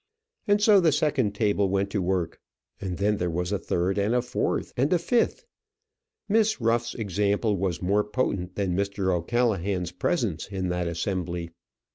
And so the second table went to work. And then there was a third, and a fourth, and a fifth. Miss Ruff's example was more potent than Mr. O'Callaghan's presence in that assembly.